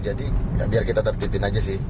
jadi biar kita tertipin aja sih